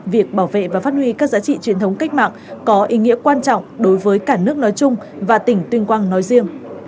việc bảo vệ và phát huy các giá trị truyền thống cách mạng có ý nghĩa quan trọng đối với cả nước nói chung và tỉnh tuyên quang nói riêng